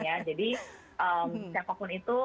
jadi siapapun itu